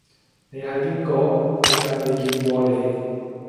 你係邊個？點解未見過你